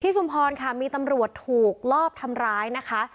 ชุมพรค่ะมีตำรวจถูกลอบทำร้ายนะคะ